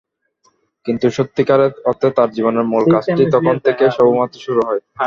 কিন্তু সত্যিকার অর্থে তাঁর জীবনের মূল কাজটি তখন থেকে সবেমাত্র শুরু হয়।